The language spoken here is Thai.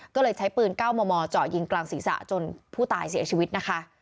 ก็เลยใช้ปืน๙มมเจาะยิงกลางศีรษะจนผู้ตายเสียชีวิตนะคะ